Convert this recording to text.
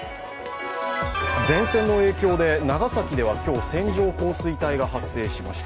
前線の影響で長崎では今日、線状降水帯が発生しました。